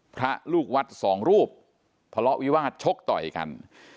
พระลูกวัด๒รูปพละวิวาสชกต่อยกัน